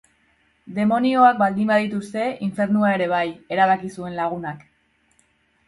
Demonioak baldin badituzte, infernua ere bai, erabaki zuen lagunak.